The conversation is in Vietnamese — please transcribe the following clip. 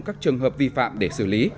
các trường hợp vi phạm để xử lý